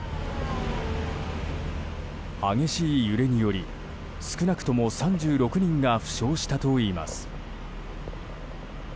激しい揺れにより少なくとも３６人が負傷したといいます。